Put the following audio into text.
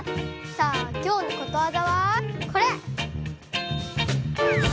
さあ今日のことわざはこれ！